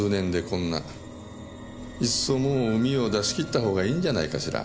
いっそもう膿を出し切ったほうがいいんじゃないかしら。